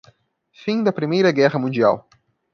Fim da Primeira Guerra Mundial